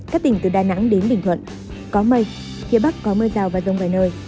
các tỉnh từ đà nẵng đến bình thuận có mây phía bắc có mưa rào và rông vài nơi